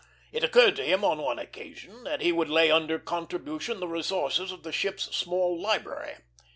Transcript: It occurred to him on one occasion that he would lay under contribution the resources of the ship's small library.